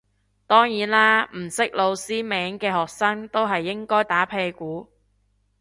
當然啦唔識老師名嘅學生都係應該打屁股